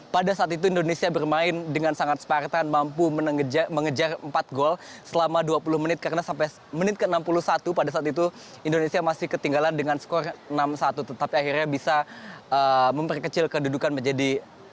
pada saat itu indonesia bermain dengan sangat spartan mampu mengejar empat gol selama dua puluh menit karena sampai menit ke enam puluh satu pada saat itu indonesia masih ketinggalan dengan skor enam satu tetapi akhirnya bisa memperkecil kedudukan menjadi satu